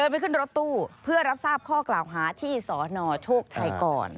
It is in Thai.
ไปขึ้นรถตู้เพื่อรับทราบข้อกล่าวหาที่สนโชคชัยก่อน